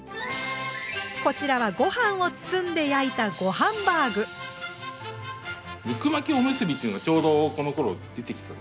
こちらはご飯を包んで焼いた肉巻きおむすびというのがちょうどこのころ出てきたんですね。